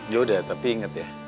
yaudah tapi inget ya